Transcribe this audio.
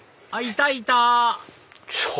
いたいた！